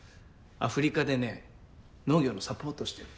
アフリカでね農業のサポートしてる。